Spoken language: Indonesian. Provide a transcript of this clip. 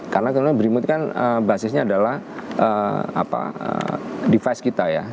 karena sebenarnya brimu itu kan basisnya adalah device kita ya